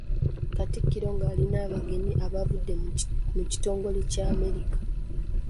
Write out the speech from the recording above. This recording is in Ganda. Katikkiro nga ali n’abagenyi abaavudde mu kitongole ky'Amerika.